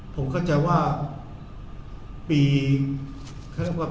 ผมเข้าใจว่า